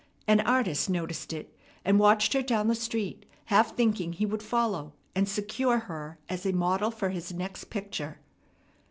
An artist noticed it, and watched her down the street, half thinking he would follow and secure her as a model for his next picture.